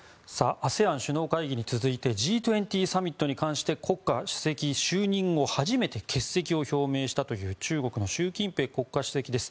ＡＳＥＡＮ首脳会議に続いてＧ２０サミットに関して国家主席就任後初めて欠席を表明したという中国の習近平国家主席です。